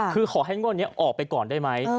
คือขอให้งวดนี้ออกไปก่อนได้ไหม